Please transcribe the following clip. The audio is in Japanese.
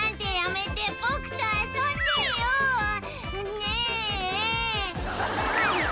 ねえ！